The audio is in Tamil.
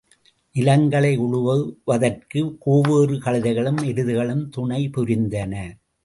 நிலங்களை உழுவதற்குக் கோவேறு கழுதைகளும் எருதுகளும் துணைபுரிந்தன.